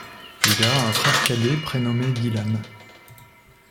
Il a un frère cadet prénommé Dylan.